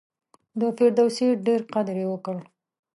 د فردوسي ډېر قدر یې وکړ.